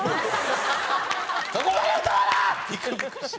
そこまで歌わな！